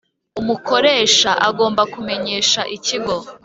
Umukoresha agomba kumenyesha ikigo